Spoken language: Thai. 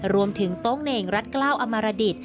รวมถึงต้งเน่งรัฐเกล้าอมรดิศ